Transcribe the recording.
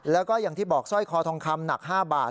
แล้วก็อย่างที่บอกสร้อยคอทองคำหนัก๕บาท